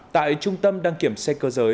tại trung tâm đăng kiểm xe cơ giới